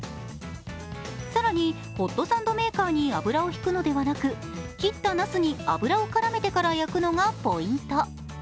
更に、ホットサンドメーカーに油を引くのではなく切ったなすに油を絡めてから焼くのがポイント。